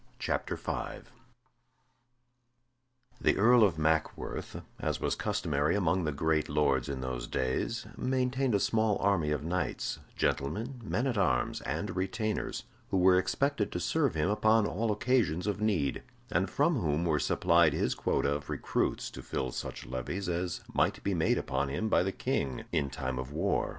CHAPTER 5 THE EARL of Mackworth, as was customary among the great lords in those days, maintained a small army of knights, gentlemen, men at arms, and retainers, who were expected to serve him upon all occasions of need, and from whom were supplied his quota of recruits to fill such levies as might be made upon him by the King in time of war.